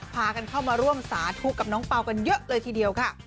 พากันเข้ามาร่วมสาธุกับน้องเปล่ากันเยอะเลยทีเดียวค่ะ